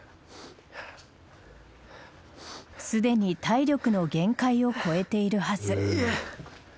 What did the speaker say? すでに体力の限界を超えているはず。